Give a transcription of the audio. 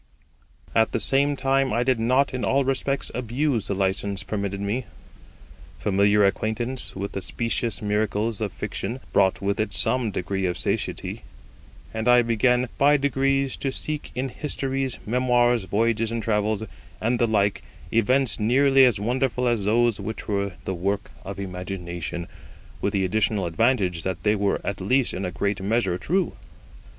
At the same time I did not in all respects abuse the license permitted me. Familiar acquaintance with the specious miracles of fiction brought with it some degree of satiety, and I began by degrees to seek in histories, memoirs, voyages and travels, and the like, events nearly as wonderful as those which were the work of imagination, with the additional advantage that they were at least in a great measure true.